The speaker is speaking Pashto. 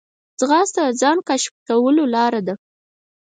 ځغاسته د ځان کشف کولو لاره ده